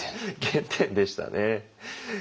原点でしたね。